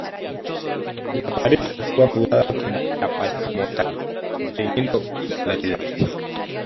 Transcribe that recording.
La pareja fue apodada como la 'pareja mortal' obteniendo popularidad.